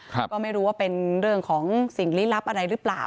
ก็ไม่รู้ว่าเป็นเรื่องของสิ่งลี้ลับอะไรหรือเปล่า